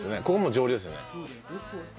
ここもう上流ですよね。